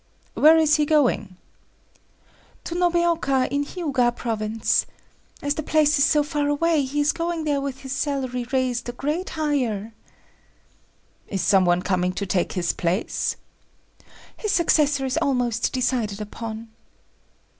"Where is he going?" "To Nobeoka in Hiuga province. As the place is so far away, he is going there with his salary raised a grade higher." "Is some one coming to take his place?" "His successor is almost decided upon."